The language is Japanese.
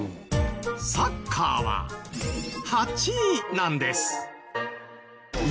サッカーは８位なんです。